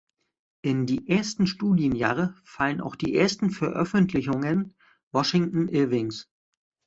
In die ersten Studienjahre fallen auch die ersten Veröffentlichungen Washington Irvings.